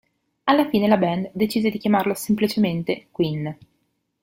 Alla fine la band decise di chiamarlo semplicemente "Queen".